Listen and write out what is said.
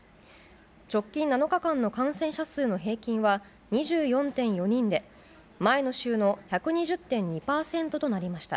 直近７日間の感染者数の平均は２４．４人で前の週の１２０．２％となりました。